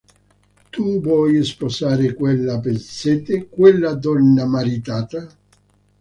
Tu vuoi sposare quella pezzente, quella donna maritata?